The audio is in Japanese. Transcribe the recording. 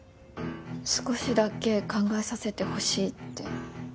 少しだけ考えさせてほしいって。